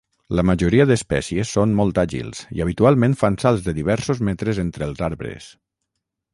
La majoria d'espècies són molt àgils i habitualment fan salts de diversos metres entre els arbres.